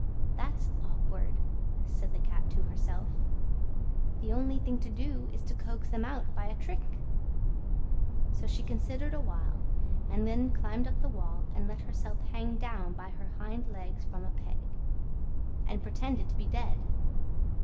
"That's awkward," said the Cat to herself: "the only thing to do is to coax them out by a trick." So she considered a while, and then climbed up the wall and let herself hang down by her hind legs from a peg, and pretended to be dead.